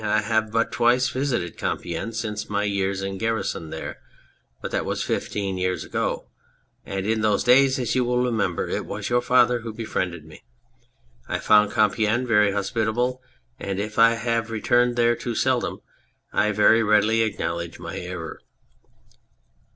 I have but twice visited Compiegne since my year in garrison there, but that was fifteen years ago, and in those days, as you will remember, it was your father who befriended me. I found Compiegne very hospitable, and if I have returned there too seldom I very readily acknowledge my error.